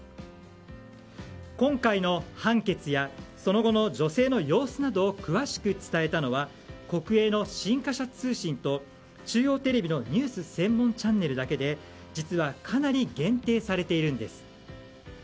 今回の判決やその後の女性の様子などを詳しく伝えたのは国営の新華社通信と中央テレビのニュース専門チャンネルだけで実はかなり限定されているんです。